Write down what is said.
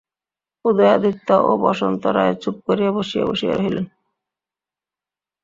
উদয়াদিত্য ও বসন্ত রায় চুপ করিয়া বসিয়া রহিলেন।